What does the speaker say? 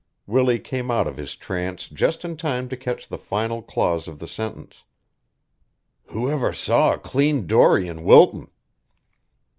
Willie came out of his trance just in time to catch the final clause of the sentence. "Who ever saw a clean dory in Wilton?"